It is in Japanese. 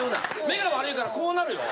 目が悪いからこうなるよ。